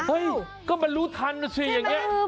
เห้ยก็มันรู้ทันอ่ะใส่แย้งเนี่ย